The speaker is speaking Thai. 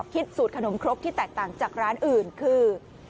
สูตรขนมครกที่แตกต่างจากร้านอื่นคือ